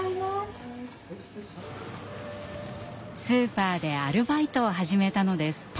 スーパーでアルバイトを始めたのです。